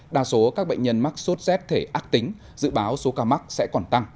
đa số các bệnh nhân mắc sốt z thể ác tính dự báo số ca mắc sẽ còn tăng